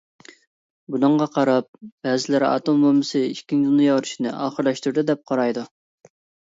بۇنىڭغا قاراپ بەزىلەر «ئاتوم بومبىسى ئىككىنچى دۇنيا ئۇرۇشىنى ئاخىرلاشتۇردى» دەپ قارايدۇ.